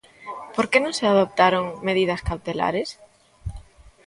Por que non se adoptaron medidas cautelares?